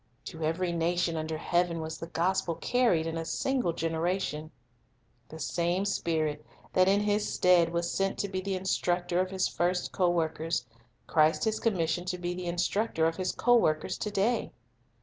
To every nation under heaven was the gospel carried in a single generation. The same Spirit that in His stead was sent to be the "/ Am unit instructor of His first co workers, Christ has commis \ou Aiway" s ioned to be the instructor of His co workers to day.